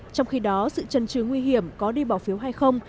trong khi đó sự trần trừ nguy hiểm có đi bỏ phiếu hay không